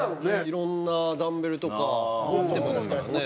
いろんなダンベルとか持ってますからね。